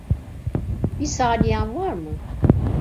Bir saniyen var mı?